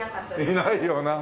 いないよな。